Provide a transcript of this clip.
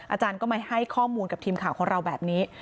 อาจารย์ก็มาให้ข้อมูลกับทีมข่าวของเราแบบนี้